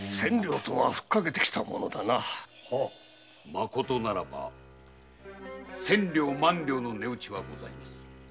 まことならば千両・万両の値打ちはございます。